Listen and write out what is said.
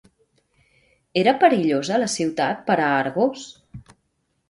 Era perillosa la ciutat per a Argos?